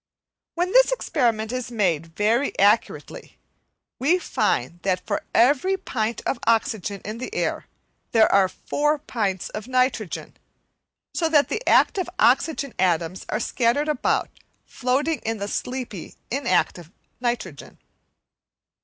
When this experiment is made very accurately, we find that for every pint of oxygen in air there are four pints of nitrogen, so that the active oxygen atoms are scattered about, floating in the sleepy, inactive nitrogen.